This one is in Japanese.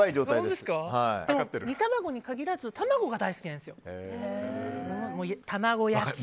でも、煮卵に限らず卵が大好きなんですよ。